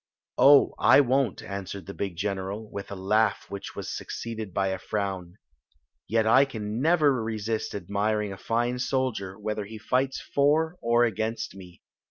"Oh, I won't!" answered the big general, with a laugh which was succeeded by a frown. " Yet I can never resist admiring a fine soldier, whether he fights for or against me.